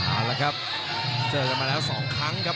เอาละครับเจอกันมาแล้ว๒ครั้งครับ